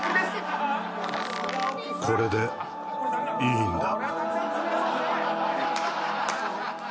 これでいいんだ